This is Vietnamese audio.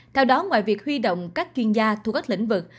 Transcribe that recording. theo đó ngoài việc huy động các chuyên gia thu các lĩnh vực